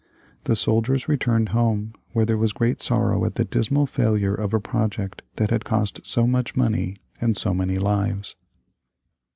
The soldiers returned home, where there was great sorrow at the dismal failure of a project that had cost so much money and so many lives.